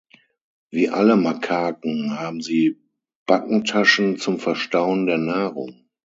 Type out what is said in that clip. Wie alle Makaken haben sie Backentaschen zum Verstauen der Nahrung.